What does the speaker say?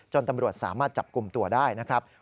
ตำรวจสามารถจับกลุ่มตัวได้นะครับ